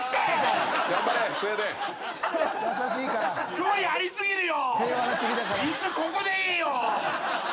距離あり過ぎるよ！